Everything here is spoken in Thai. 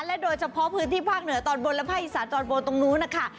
โดยเฉพาะพื้นที่ภาคเหนือตอนบนและภาคอีสานตอนบนตรงนู้นนะคะ